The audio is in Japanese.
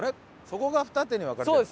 そこが二手に分かれてる？